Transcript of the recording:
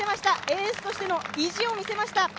エースとしての意地を見せました。